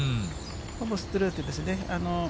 ほぼストレートですね。